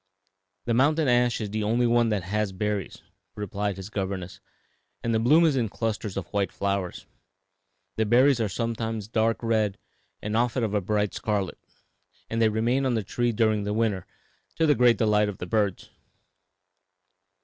"The mountain ash is the only one that has berries," replied his governess, "and the bloom is in clusters of white flowers. The berries are sometimes dark red and often of a bright scarlet, and they remain on the tree during the winter, to the great delight of the birds.